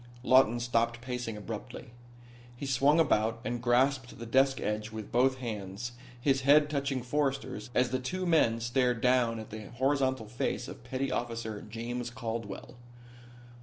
Lawton stopped pacing abruptly. He swung about and grasped the desk edge with both hands, his head touching Forrester's as the two men stared down at the horizontal face of petty officer James Caldwell.